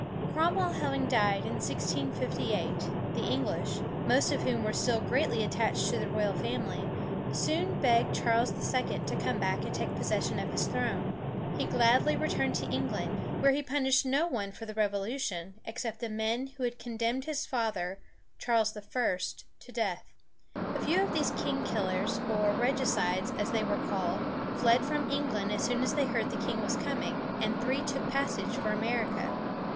Cromwell having died in 1658, the English, most of whom were still greatly attached to the royal family, soon begged Charles II. to come back and take possession of his throne. He gladly returned to England, where he punished no one for the revolution, except the men who had condemned his father, Charles I., to death. A few of these king killers, or "reg´i cides," as they were called, fled from England as soon as they heard the king was coming, and three took passage for America.